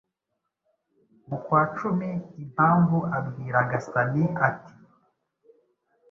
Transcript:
mu kwa cumi Impamvu abwira Gasani ati: "